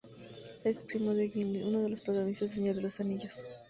Es primo de Gimli, uno de los protagonistas de "El Señor de los Anillos".